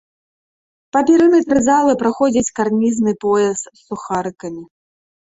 Па перыметры залы праходзіць карнізны пояс з сухарыкамі.